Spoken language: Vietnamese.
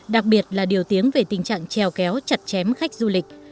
đặc biệt là điều tiếng về tình trạng trèo kéo chặt chém khách du lịch